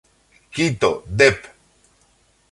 Quito, Dep.